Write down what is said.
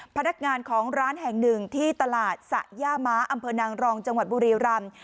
พนักงานของร้านแห่งหนึ่งที่ตลาดสะย่าม้าอำเภอนางรองจังหวัดบุรีรำ